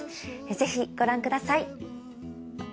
ぜひご覧ください。